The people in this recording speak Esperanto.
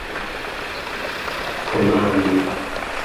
komando